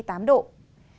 thành phố vinh